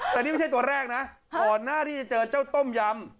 แต่นี่ไม่ใช่ตัวแรกนะก่อนหน้าที่จะเจอเจ้าต้มยำ